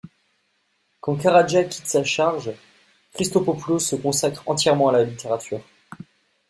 Quand Caradja quitte sa charge, Christópoulos se consacre entièrement à la littérature.